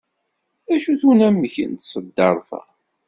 D acu-t unamek n tṣeddart-a?